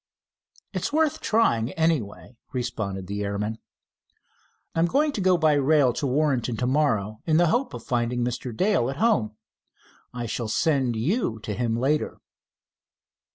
"It's worth trying, anyway," responded the airman. "I'm going to go by rail to Warrenton to morrow, in the hope of finding Mr. Dale at home. I shall send you to him later."